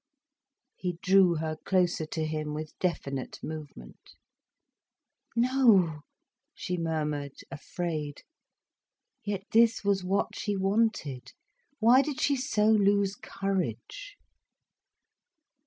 He drew her closer to him, with definite movement. "No," she murmured, afraid. Yet this was what she wanted. Why did she so lose courage?